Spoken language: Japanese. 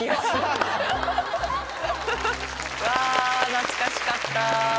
懐かしかった。